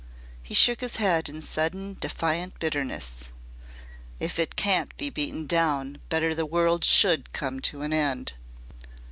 He shook his head in sudden defiant bitterness. "If it can't be beaten down, better the world should come to an end."